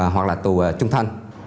hoặc là tù trung thanh